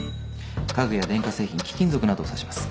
家具や電化製品貴金属などを指します。